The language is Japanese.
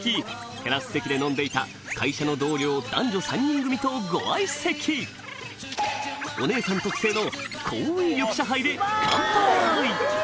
テラス席で飲んでいた会社の同僚男女３人組とご相席お姉さん特製の濃い緑茶ハイでカンパイ！